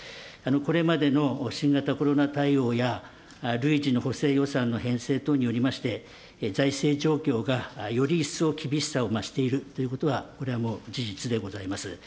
これまでの新型コロナ対応や、累次の補正予算の編成等によりまして、財政状況がより一層厳しさを増しているということは、これはもう事実でございます。